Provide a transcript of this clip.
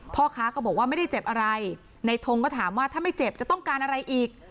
พ่อค้าก็บอกว่าไม่ได้เจ็บอะไรในทงก็ถามว่าถ้าไม่เจ็บจะต้องการอะไรอีก